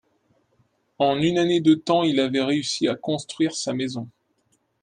En une année de temps il avait réussi à construire sa maison.